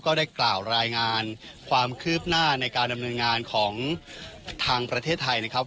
ก็ได้กล่าวรายงานความคืบหน้าในการดำเนินงานของทางประเทศไทยนะครับ